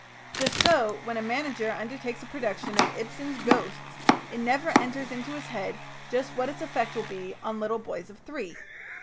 Just so when a manager undertakes a production of Ibsen's "Ghosts" it never enters into his head just what its effect will be on little boys of three.